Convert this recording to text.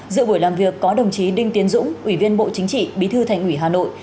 dự buổi làm việc có đồng chí đinh tiến dũng ủy viên bộ chính trị bí thư thành ủy hà nội